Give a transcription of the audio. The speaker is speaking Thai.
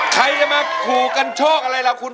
ใครจะมาขู่กันโชคอะไรล่ะคุณ